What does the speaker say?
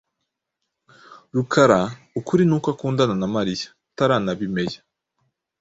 Rukara ukuri nuko akundana na Mariya tutaranabimea.